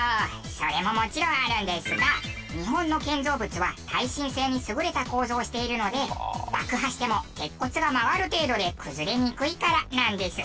それももちろんあるんですが日本の建造物は耐震性に優れた構造をしているので爆破しても鉄骨が曲がる程度で崩れにくいからなんです。